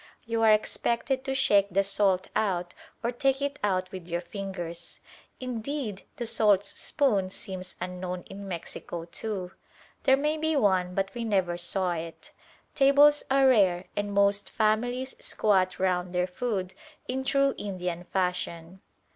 You are expected to shake the salt out or take it out with your fingers. Indeed the saltspoon seems unknown in Mexico too. There may be one, but we never saw it. Tables are rare, and most families squat round their food in true Indian fashion.